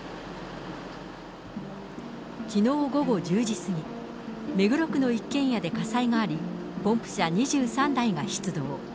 きのう午後１０時過ぎ、目黒区の一軒家で火災があり、ポンプ車２３台が出動。